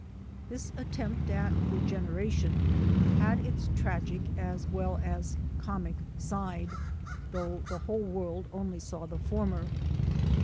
This attempt at regeneration had its tragic as well as comic side, though the world only saw the former.